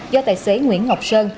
do tài xế nguyễn ngọc sơn